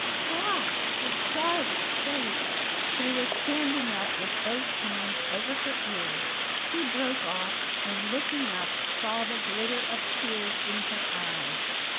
Stop, for God's sake!" She was standing up with both hands over her ears. He broke off, and, looking up, saw the glitter of tears in her eyes.